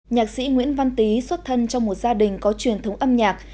nhạc sĩ nguyễn văn tý xuất thân trong một gia đình có truyền thống âm nhạc